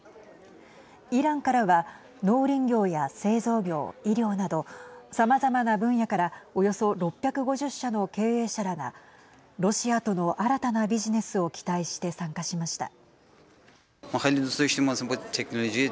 イランからは農林業や製造業、医療などさまざまな分野からおよそ６５０社の経営者らがロシアとの新たなビジネスを期待して参加しました。